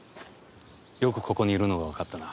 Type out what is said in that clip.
よくここにいるのがわかったな。